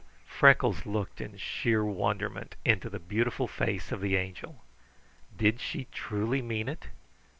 Freckles looked in sheer wonderment into the beautiful face of the Angel. Did she truly mean it?